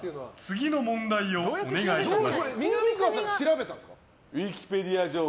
次の問題、お願いします。